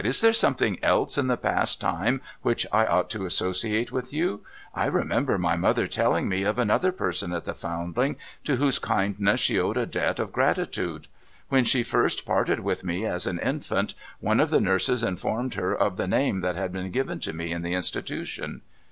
' Is there something else in the past time which I ought to associate with you ? I remember my mother telling me of another person at the Foundling, to whose kindness she owed a debt of gratitude. When she first parted with me, as an infant, one of the nurses informed her of the name that had been given to me in the institution.